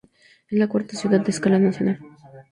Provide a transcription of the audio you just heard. Es la cuarta ciudad a escala nacional.